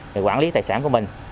để quản lý tài sản của mình